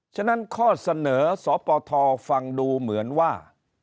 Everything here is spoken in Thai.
ฉะนั้นข้อเสนอสปทฟังดูเหมือนว่า